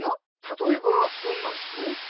たとえばどんなひと？